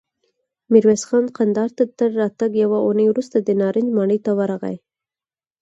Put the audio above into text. ميرويس خان کندهار ته تر راتګ يوه اوونۍ وروسته د نارنج ماڼۍ ته ورغی.